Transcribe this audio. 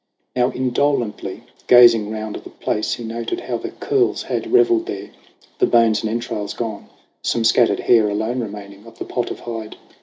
Now indolently gazing round the place, He noted how the curs had revelled there The bones and entrails gone; some scattered hair Alone remaining of the pot of hide.